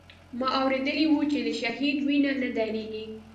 ما اورېدلي و چې د شهيد وينه نه درېږي.